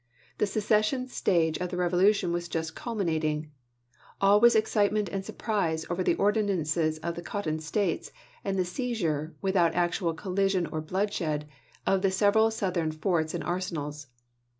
The se cession stage of the revolution was just culminating. All was excitement and surprise over the ordinances of the Cotton States, and the seizure, without actual collision or bloodshed, of the several Southern forts and arsenals.